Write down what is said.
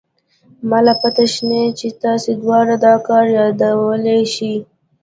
ما له پته شتې چې تاسې دواړه دا کار يادولې شې.